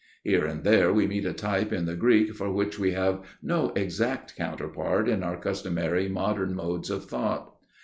Here and there we meet a type in the Greek for which we have no exact counterpart in our customary modern modes of thought.